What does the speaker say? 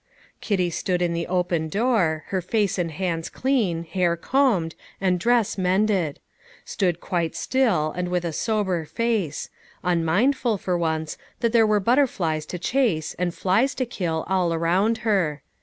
Kitty stood in the open door, her face and hands clean, hair combed, and dress mended; stood quite still, and with a sober face, unmindful, for once, that there were butterflies to chase and flies to kill all around her.